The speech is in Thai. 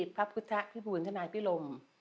พระพุทธพิบูรณธนายพิรม